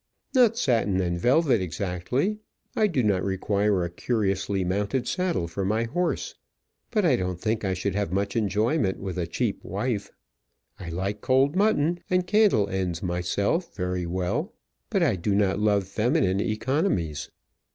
"Not satin and velvet exactly. I do not require a curiously mounted saddle for my horse. But I don't think I should have much enjoyment with a cheap wife. I like cold mutton and candle ends myself very well, but I do not love feminine economies.